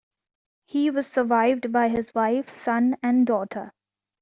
He was survived by his wife, son and daughter.